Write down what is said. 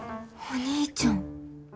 お兄ちゃん。